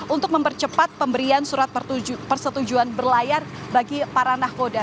untuk mempercepat pemberian surat persetujuan berlayar bagi para nahkoda